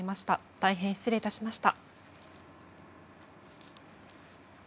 大変失礼いたしました。